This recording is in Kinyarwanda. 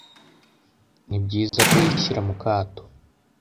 ni byiza ko yishyira mu kato